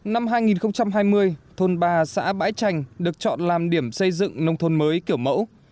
năm hai nghìn hai mươi thôn ba xã bãi trành được chọn làm điểm xây dựng nông thôn mới kiểu mẫu